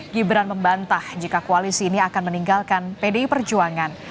gibran membantah jika koalisi ini akan meninggalkan pdi perjuangan